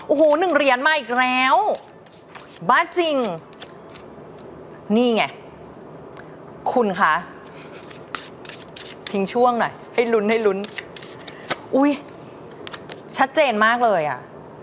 โอ้โหหนึ่งเหรียญมาอีกแล้วบ้าจริงนี่ไงคุณคะทิ้งช่วงหน่อยให้ลุ้นให้ลุ้นอุ้ยชัดเจนมากเลยอ่ะ